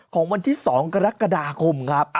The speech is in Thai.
ของวันที่๒กรกฎาคมครับ